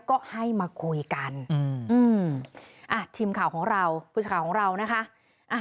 ก็ให้มาคุยกันทีมข่าวของเราผู้ชาวของเรานะคะ